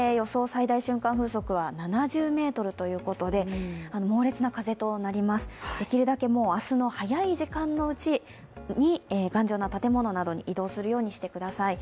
最大瞬間風速は７０メートルということで猛烈な風となります、できるだけ明日の早い時間のうちに頑丈な建物などに移動するようにしてください